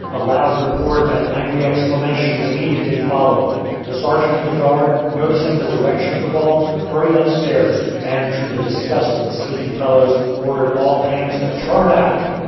A loud report and angry exclamations immediately followed. The sergeant of the guard, noticing the direction of the ball, hurried up stairs, and to the disgust of the sleepy fellows, ordered all hands to "turn out."